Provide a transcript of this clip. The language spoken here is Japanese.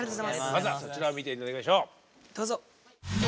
まずはそちらを見て頂きましょう。